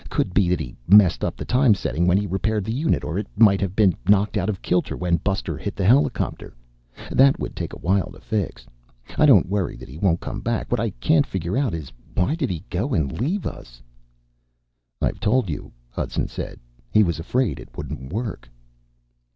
Could be that he messed up the time setting when he repaired the unit or it might have been knocked out of kilter when Buster hit the helicopter. That would take a while to fix. I don't worry that he won't come back. What I can't figure out is why did he go and leave us?" "I've told you," Hudson said. "He was afraid it wouldn't work."